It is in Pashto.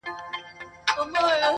نه یوه چېغه مستانه سته زه به چیري ځمه،